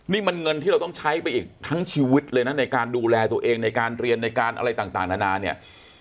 นี่มันเงินที่เราต้องใช้ไปอีกทั้งชีวิตเลยนะในการดูแลตัวเองในการเรียนในการอะไรต่างนานาเนี่ย